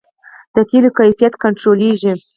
د تیلو کیفیت کنټرولیږي؟